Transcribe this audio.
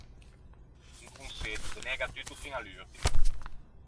Un conseggio, denega tutto fin à l’urtimo!